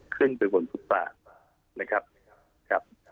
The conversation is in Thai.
เคลื่อนไปบนฟุตบาทนะครับครับ